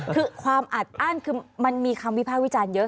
คือความอัดอ้านคือมันมีคำวิภาควิจารณ์เยอะ